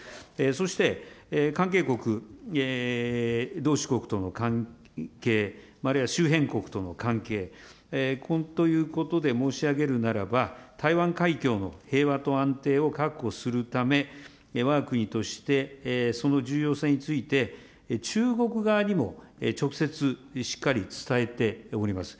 そして、関係国、同志国との関係、あるいは周辺国との関係ということで申し上げるならば、台湾海峡の平和と安定を確保するため、わが国として、その重要性について、中国側にも直接しっかり伝えております。